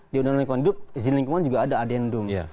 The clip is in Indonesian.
di undang undang lingkungan hidup izin lingkungan juga ada adendum